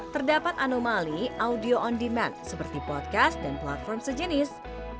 terdapat anomali audio on demand seperti podcast dan platform sejenis